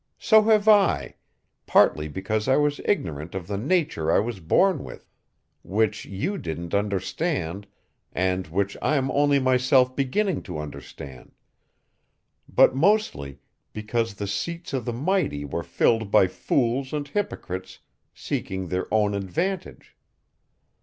So have I, partly because I was ignorant of the nature I was born with, which you didn't understand and which I'm only myself beginning to understand but mostly because the seats of the mighty were filled by fools and hypocrites seeking their own advantage.